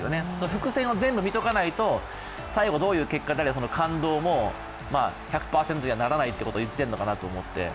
伏線を全部見とかないと、最後、どんな結果であれ感動も１００％にはならないということを言っているのかなと思って。